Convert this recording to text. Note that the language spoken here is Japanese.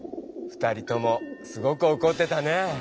２人ともすごくおこってたね。